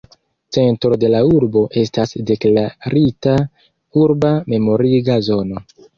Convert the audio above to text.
Centro de la urbo estas deklarita urba memoriga zono.